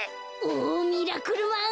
おミラクルマン。